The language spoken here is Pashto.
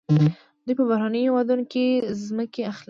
دوی په بهرنیو هیوادونو کې ځمکې اخلي.